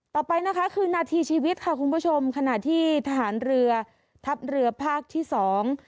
ต่อไปนะคะคือนาทีชีวิตค่ะคุณผู้ชมขณะที่ทหารเรือทัพเรือภาคที่สอง